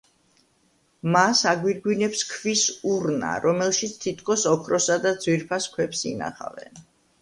მას აგვირგვინებს ქვის ურნა, რომელშიც თითქოს ოქროსა და ძვირფას ქვებს ინახავენ.